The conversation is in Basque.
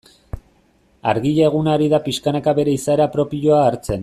Argia eguna ari da pixkanaka bere izaera propioa hartzen.